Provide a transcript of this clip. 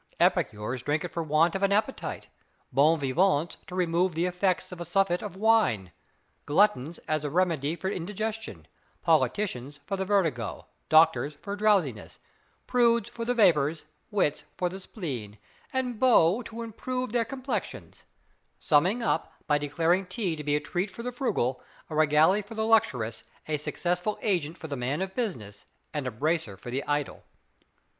Epicures drink it for want of an appetite; bon vivants, to remove the effects of a surfeit of wine; gluttons, as a remedy for indigestion; politicians, for the vertigo; doctors, for drowsiness; prudes, for the vapors; wits, for the spleen; and beaux to improve their complexions; summing up, by declaring tea to be a treat for the frugal, a regale for the luxurious, a successful agent for the man of business, and a bracer for the idle.